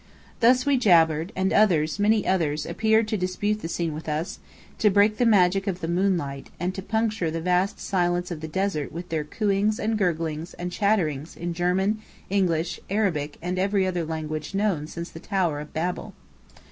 Thus we jabbered; and others, many others, appeared to dispute the scene with us, to break the magic of the moonlight, and to puncture the vast silence of the desert with their cooings and gurglings and chatterings in German, English, Arabic, and every other language known since the Tower of Babel.